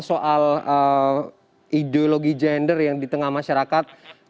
soal ideologi gender yang di tengah masyarakat